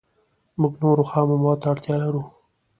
موږ نورو خامو موادو ته اړتیا لرو